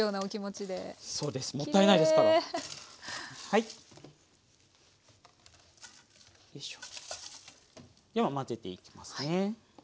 では混ぜていきますね。